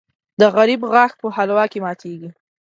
د غریب غاښ په حلوا کې ماتېږي .